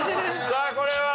さあこれは？